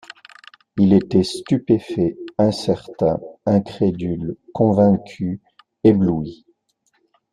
Il était stupéfait, incertain, incrédule, convaincu, ébloui.